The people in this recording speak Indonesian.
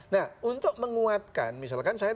nah untuk menguatkan misalkan